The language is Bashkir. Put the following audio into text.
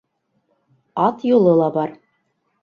Ат юлы ла бар.